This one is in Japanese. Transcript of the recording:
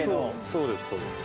そうですそうです。